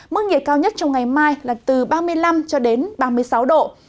mức nhiệt cao nhất trong ngày mai là từ ba mươi năm ba mươi sáu độ